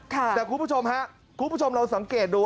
แต่คุณผู้ชมฮะคุณผู้ชมลองสังเกตดู